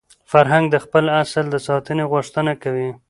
فرهنګ د خپل اصل د ساتني غوښتنه کوي.